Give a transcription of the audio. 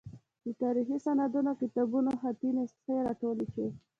د تاریخي سندونو او کتابونو خطي نسخې راټولې شوې.